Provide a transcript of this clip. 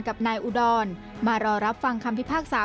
กับนายอุดรมารอรับฟังคำพิพากษา